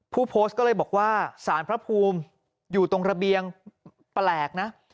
ผู้โพสต์ก็เลยบอกว่าสารพระภูมิอยู่ตรงระเบียงแปลกนะ